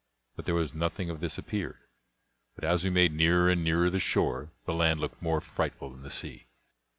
But there was nothing of this appeared; but as we made nearer and nearer the shore, the land looked more frightful than the sea.